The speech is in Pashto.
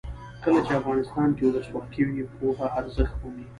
کله چې افغانستان کې ولسواکي وي پوهه ارزښت مومي.